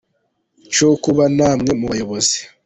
Cyo kuba namwe mu bayobozi